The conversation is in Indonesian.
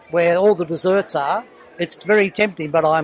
di mana semua makanan itu sangat mengecewakan